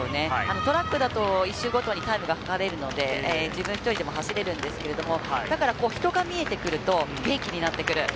トラックだと１周ごとにタイムが測れるので、自分の勢いでも走れるんですが、人が見えてくると元気になってくる。